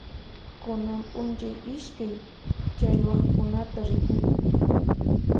Kunan p'unchay iskay challwaqkunata rikukun.